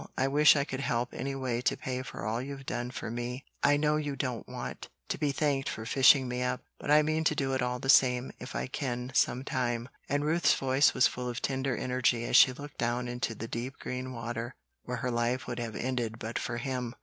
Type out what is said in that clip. I wish I could help anyway to pay for all you've done for me. I know you don't want to be thanked for fishing me up, but I mean to do it all the same, if I can, some time;" and Ruth's voice was full of tender energy as she looked down into the deep green water where her life would have ended but for him.